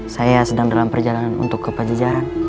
saya sedang dalam perjalanan untuk ke pajejaran